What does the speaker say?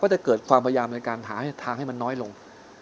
จะเกิดความพยายามในการหาทางให้มันน้อยลง